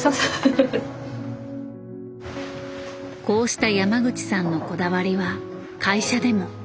こうした山口さんのこだわりは会社でも。